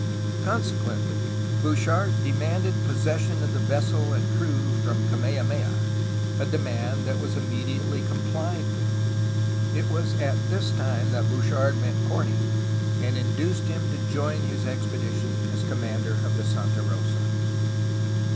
'' Con sequently, Bouchard demanded possession of the vessel and crew from Kamehameha, a demand that was immediately complied with. It was at this time that Bouchard met Corney, and induced him to join his expedition as com mander of the Santa Rosa.